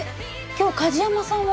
今日梶山さんは？